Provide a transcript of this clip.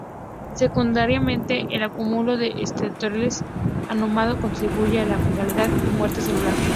Secundariamente, el acúmulo de esteroles anómalos contribuye a la fragilidad y muerte celular.